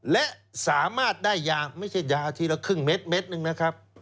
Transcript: และสามารถได้ยาไม่ใช่ยาทีละครึ่งเม็ดนึงนะครับ